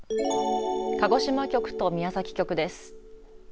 鹿児島局と宮崎局です。